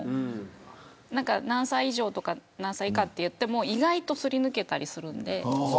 何歳以上、何歳以下といっても意外とすり抜けたりする。